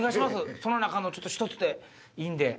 その中の１つでいいんで。